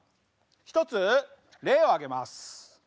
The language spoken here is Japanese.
一つ例を挙げます。